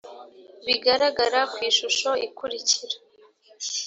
bigaragara ku ishusho ikurikira